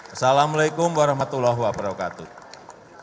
assalamu'alaikum warahmatullahi wabarakatuh